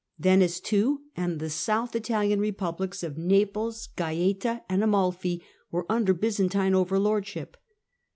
Venice, too, and the South Italian Republics of Naples, Gaeta, and Amalfi were under Byzantine overlordship (see p.